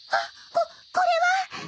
ここれは！